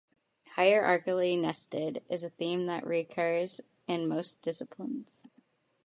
"Hierarchically nested" is a theme that recurs in most disciplines.